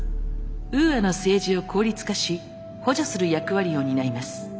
ウーアの政治を効率化し補助する役割を担います。